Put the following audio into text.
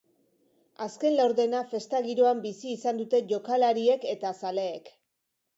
Azken laurdena festa giroan bizi izan dute jokalariek eta zaleek.